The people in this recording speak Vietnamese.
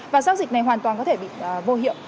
và giao dịch này hoàn toàn có thể bị vô hiệu